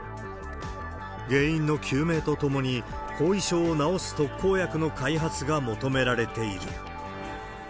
原因の究明とともに後遺症を治す特効薬の開発が求められている。